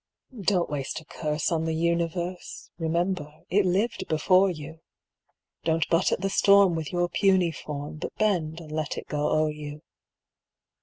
Don't waste a curse on the universe Remember it lived before you. Don't butt at the storm with your puny form, But bend and let it go o'er you.